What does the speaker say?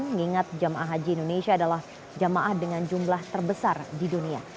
mengingat jemaah haji indonesia adalah jamaah dengan jumlah terbesar di dunia